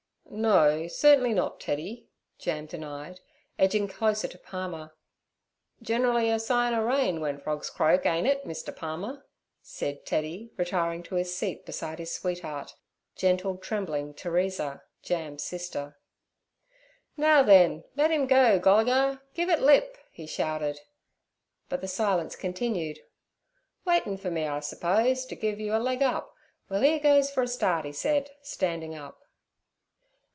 'No, certainly not, Teddy' Jam denied, edging closer to Palmer. 'Generally a sign er rain w'en frogs croaks, ain't it, Mr. Palmer?' said Teddy, retiring to his seat beside his sweetheart, gentle, trembling Teresa, Jam's sister. 'Now then, let 'im go, Golligah. Give it lip!' he shouted, but the silence continued. 'Waitin' for me, I suppose, t' give you a leg up. Well, here goes for a start' he said, standing up.